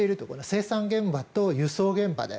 生産現場と輸送現場で。